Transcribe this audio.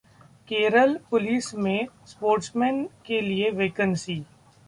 Kerala police में sportsmen के लिए वैकेंसी